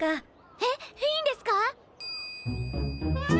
えっいいんですか？